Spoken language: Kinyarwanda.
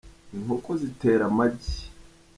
Inkoko zitera amagi.